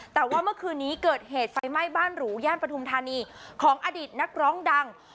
แต่ว่าเมื่อคืนนี้เกิดเหตุไฟไหม้บ้านหรูย่านปฐุมธานีของอดีตนักร้องดัง